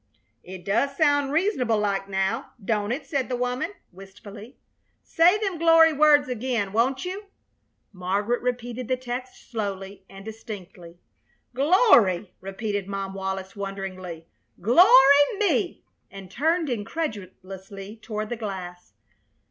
"It does sound reasonable like now, don't it?" said the woman, wistfully. "Say them glory words again, won't you?" Margaret repeated the text slowly and distinctly. "Glory!" repeated Mom Wallis, wonderingly. "Glory! Me!" and turned incredulously toward the glass.